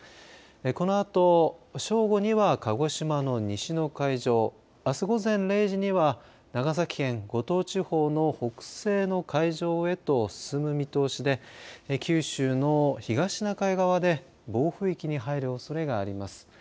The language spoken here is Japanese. このあと正午には鹿児島の西の海上あす午前０時には長崎県、五島地方の北西の海上へと進む見通しで九州の東シナ海側で暴風域に入るおそれがあります。